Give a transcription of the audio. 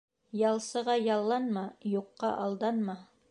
Ялсыға ялланма, юҡҡа алданма.